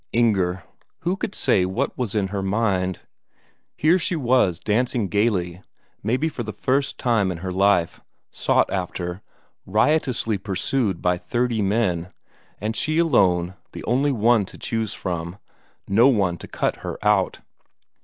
Inger who could say what was in her mind? Here she was dancing gaily, maybe for the first time in her life; sought after, riotously pursued by thirty men, and she alone, the only one to choose from, no one to cut her out.